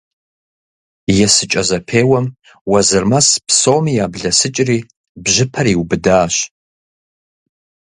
Есыкӏэ зэпеуэм Уэзырмэс псоми яблэсыкӏри бжьыпэр иубыдащ.